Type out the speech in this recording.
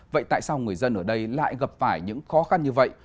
vậy tại sao người dân ở đây lại gặp phải những khó khăn như vậy